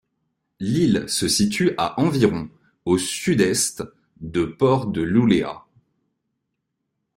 L'île se situe à environ au sud-est de port de Luleå.